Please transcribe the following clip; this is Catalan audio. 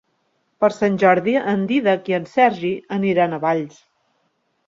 Per Sant Jordi en Dídac i en Sergi aniran a Valls.